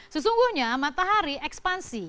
sesungguhnya matahari ekspansi